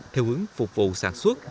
theo hướng phục vụ sản xuất